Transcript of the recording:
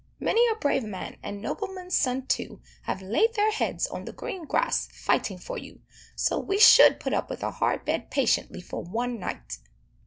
many a brave man, and noblemen's sons too, have laid their heads on the green grass, fighting for you, so we should put up with a hard bed patiently for one night."